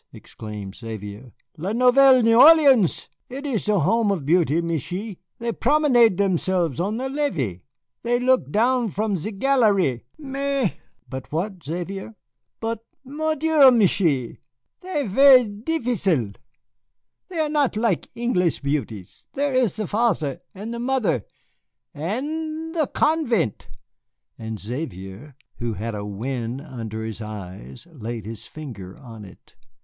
exclaimed Xavier, "La Nouvelle Orléans it is the home of beauty, Michié. They promenade themselves on the levee, they look down from ze gallerie, mais " "But what, Xavier?" "But, mon Dieu, Michié, they are vair' difficile. They are not like Englis' beauties, there is the father and the mother, and the convent." And Xavier, who had a wen under his eye, laid his finger on it.